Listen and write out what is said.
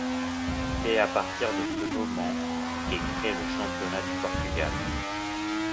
C'est à partir de ce moment qu'est créé le championnat du Portugal.